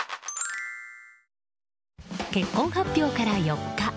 結婚発表から４日。